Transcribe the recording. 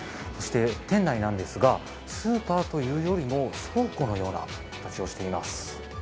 店内なんですが、スーパーというよりも倉庫のような形をしています。